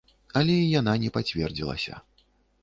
Але і яна не пацвердзілася.